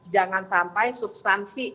jangan sampai substansi